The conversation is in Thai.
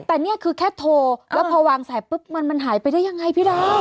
แต่นี่คือแค่โทรแล้วพอวางสายปุ๊บมันหายไปได้ยังไงพี่ดาว